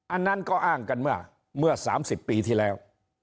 อันนั้นก็อ้างกันเมื่อ๓๐ปีที่แล้ว